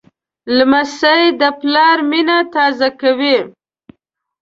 لمسی د پلار مینه تازه کوي.